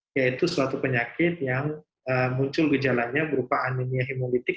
ya itu suatu penyakit yang muncul gejalannya berupa anemia hemolytik